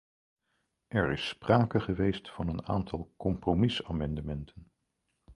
Er is sprake geweest van een aantal compromisamendementen.